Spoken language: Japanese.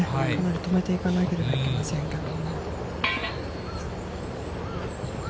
止めていかなければなりませんから。